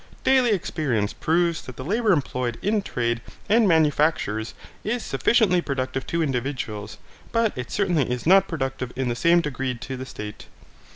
Daily experience proves that the labour employed in trade and manufactures is sufficiently productive to individuals, but it certainly is not productive in the same degree to the state.